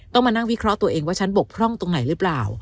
มานั่งวิเคราะห์ตัวเองว่าฉันบกพร่องตรงไหนหรือเปล่า